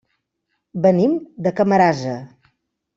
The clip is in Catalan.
Venim de Camarasa.